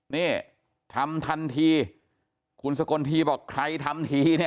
นี่ทำทันทีคุณสกลทีบอกใครทำทีเนี่ย